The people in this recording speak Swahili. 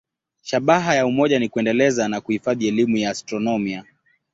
Shabaha ya umoja ni kuendeleza na kuhifadhi elimu ya astronomia.